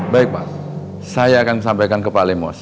baik pak saya akan sampaikan ke pak lemos